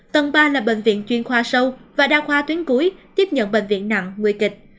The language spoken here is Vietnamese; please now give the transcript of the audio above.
tầng ba là bệnh viện chuyên khoa sâu và đa khoa tuyến cuối tiếp nhận bệnh viện nặng nguy kịch